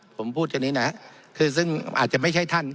ผมพูดแค่นี้นะคือซึ่งอาจจะไม่ใช่ท่าน